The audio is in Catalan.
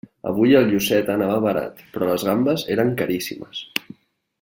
Avui el llucet anava barat, però les gambes eren caríssimes.